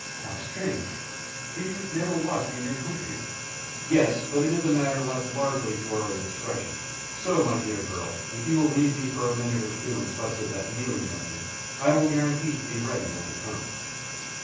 "How strange! Do you never wash in your country?" "Yes, but it is a matter left largely to our own discretion; so, my dear girl, if you will leave me for a minute or two in quest of that meal you have mentioned, I will guarantee to be ready when it comes."